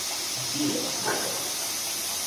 Det är något helt annat.